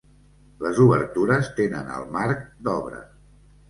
Les obertures tenen el marc d'obra.